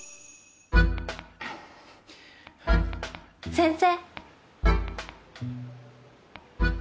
先生。